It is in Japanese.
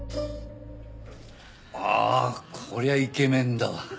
ああこりゃイケメンだわ。